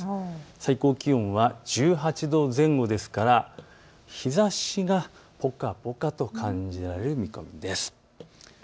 最高気温は１８度前後ですから日ざしがぽかぽかと感じられる見込みです。